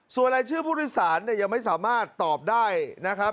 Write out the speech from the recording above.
ส่วนรายชื่อผู้โดยสารเนี่ยยังไม่สามารถตอบได้นะครับ